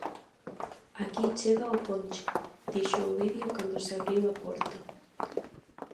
-Aquí chega o ponche -dixo Ovidio cando se abriu a porta-.